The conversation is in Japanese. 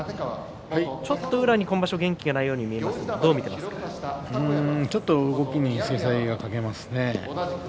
ちょっと宇良に今場所元気がないように見えますが動きに精彩が欠けますね。